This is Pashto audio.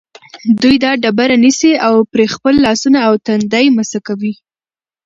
دوی دا ډبره نیسي او پرې خپل لاسونه او تندی مسح کوي.